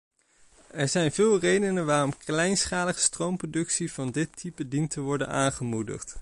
Er zijn veel redenen waarom kleinschalige stroomproductie van dit type dient te worden aangemoedigd.